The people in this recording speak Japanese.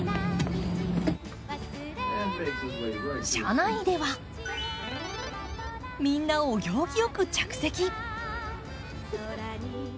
車内では、みんなお行儀よく着席。